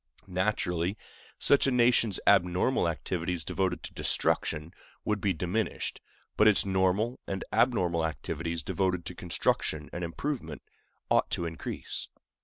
Naturally, such a nation's abnormal activities devoted to destruction would be diminished; but its normal and abnormal activities devoted to construction and improvement ought to increase.